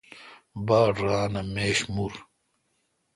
باڑ ران اہ میش مور۔